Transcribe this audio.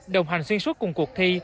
đồng hành xuyên suốt cùng cuộc thi